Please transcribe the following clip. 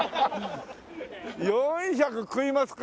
４００食いますか！